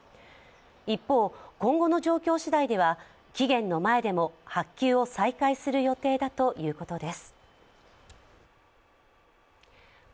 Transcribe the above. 一方、今後の状況次第では、期限の前でも発給を再開する予定だということです。